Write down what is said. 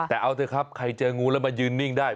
แต่เอาเถอะครับใครเจองูแล้วมายืนนิ่งได้